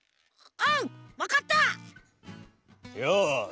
うん。